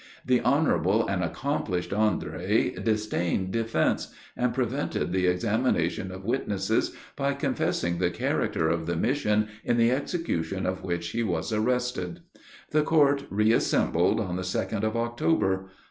The honorable and accomplished Andre disdained defense, and prevented the examination of witnesses, by confessing the character of the mission, in the execution of which he was arrested. The court reassembled on the second of October.